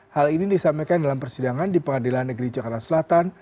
hal ini disampaikan dalam persidangan di pengadilan negeri jakarta selatan